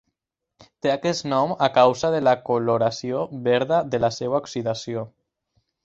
Té aquest nom a causa de la coloració verda de la seva oxidació.